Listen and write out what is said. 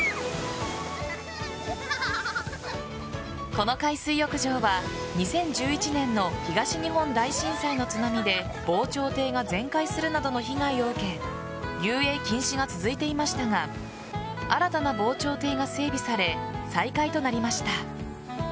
この海水浴場は２０１１年の東日本大震災の津波で防潮堤が全壊するなどの被害を受け遊泳禁止が続いていましたが新たな防潮堤が整備され再開となりました。